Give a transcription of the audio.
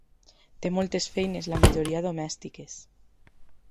Té moltes feines, la majoria domèstiques.